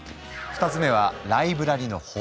２つ目はライブラリの豊富さ。